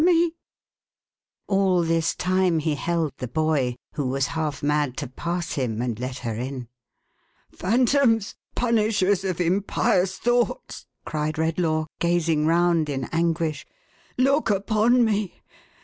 " PRAYER FOR RELIEF. 493 All this time he held the boy, who was half mad to pass him, and let her in. " Phantoms ! Punishers of impious thoughts !" cried Red law, gazing round in anguish. " Look upon me